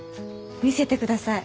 見せてください。